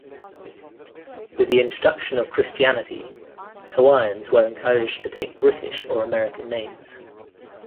With the introduction of Christianity, Hawaiians were encouraged to take British or American names.